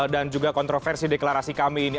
dan juga kontroversi deklarasi kami ini